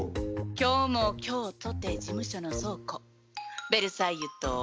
今日も今日とて事務所の倉庫ベルサイユと申します。